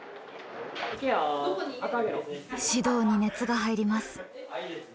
指導に熱が入ります。